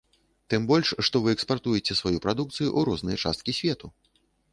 Тым больш што вы экспартуеце сваю прадукцыю ў розныя часткі свету.